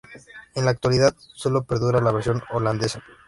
En la actualidad solo perdura la versión holandesa.